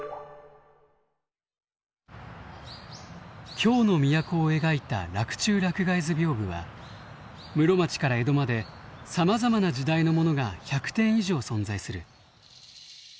京の都を描いた「洛中洛外図屏風」は室町から江戸までさまざまな時代のものが１００点以上存在する。